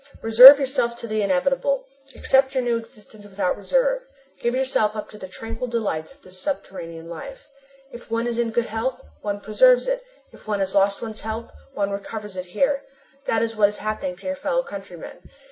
Resign yourself to the inevitable. Accept your new existence without reserve. Give yourself up to the tranquil delights of this subterranean life. If one is in good health, one preserves it; if one has lost one's health, one recovers it here. That is what is happening to your fellow countryman.